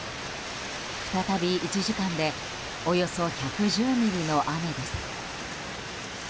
再び１時間でおよそ１１０ミリの雨です。